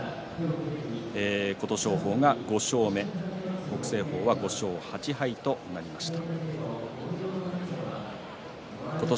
琴勝峰が５勝目北青鵬は５勝８敗となりました。